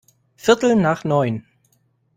Viertel nach neun.